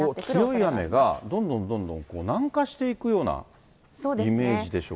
強い雨がどんどんどんどん南下していくようなイメージでしょそうですね。